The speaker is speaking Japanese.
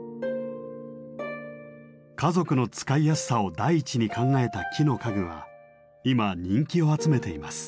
家族の使いやすさを第一に考えた木の家具は今人気を集めています。